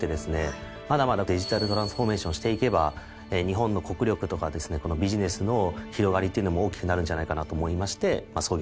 まだまだデジタルトランスフォーメーションしていけば日本の国力とかですねビジネスの広がりっていうのも大きくなるんじゃないかなと思いまして創業しました。